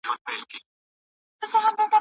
د مهارتونو اوسمهالي کول ضروري دي.